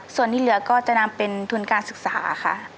ส่วนที่เหลือก็จะนำเป็นทุนการศึกษาค่ะ